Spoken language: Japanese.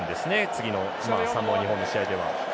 次のサモア・日本の試合では。